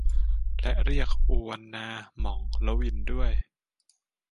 และเรียก อูวันนา หม่อง ลวิน ด้วย